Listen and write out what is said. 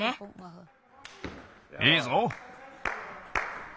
いいぞ！